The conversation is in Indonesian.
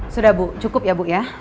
sudah bu cukup ya bu ya